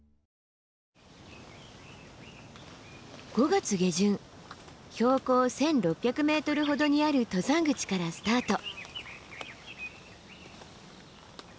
５月下旬標高１，６００ｍほどにある登山口からスタート。